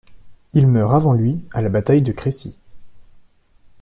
Il meurt avant lui, à la bataille de Crécy.